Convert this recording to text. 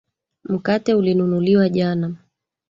Mkate ulinunuliwa jana.